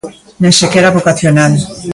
Nin sequera vocacional.